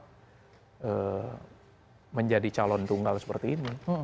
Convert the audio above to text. saya juga sih menjadi calon tunggal seperti ini